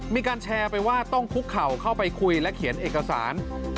มีการแชร์ไปว่าต้องคุกเข่าเข้าไปคุยและเขียนเอกสาร